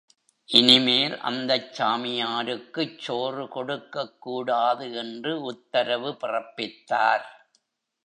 இனி மேல் அந்தச் சாமியாருக்குச் சோறு கொடுக்கக்கூடாது என்று உத்தரவு பிறப்பித்தார்.